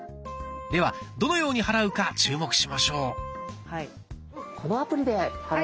ではどのように払うか注目しましょう。